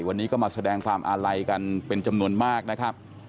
วันนี้ก็มาแสดงความอาลัยกันเป็นจำนวนมากนะครับ